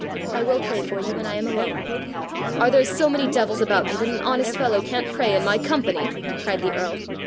I will pray for you when I am alone." "Are there so many devils about me that an honest fellow can't pray in my company?" cried the earl.